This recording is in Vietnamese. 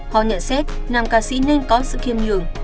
họ nhận xét nam ca sĩ nên có sự khiêm nhường